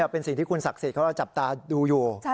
เป็นสิ่งที่คุณศักดิ์สิทธิ์เราจับตาดูอยู่